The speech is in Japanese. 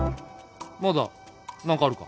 まだ何かあるか？